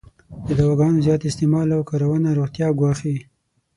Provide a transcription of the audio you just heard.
د دواګانو زیات استعمال او کارونه روغتیا ګواښی.